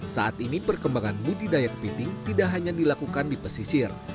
saat ini perkembangan budidaya kepiting tidak hanya dilakukan di pesisir